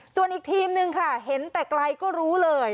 ส่วนอีกทีมนึงค่ะเห็นแต่ไกลก็รู้เลย